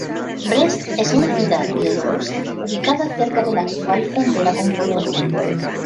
Brest es una ciudad bielorrusa ubicada cerca de la actual frontera con Polonia.